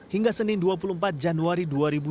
hingga senin dua puluh empat januari dua ribu dua puluh